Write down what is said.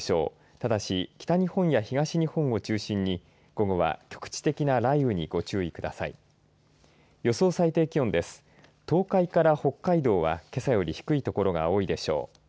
ただし北日本や東日本を中心に午後は局地的な雷雨にご注意ください。